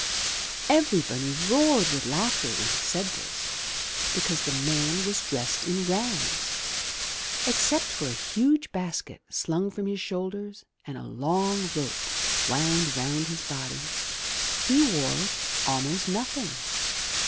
Everybody roared with laughter when he said this, because the man was dressed in rags! Except for a huge basket slung from his shoulders and a long rope wound round his body, he wore almost nothing.